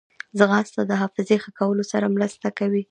ځغاسته د حافظې ښه کولو سره مرسته کوي